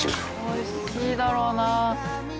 美味しいだろうな。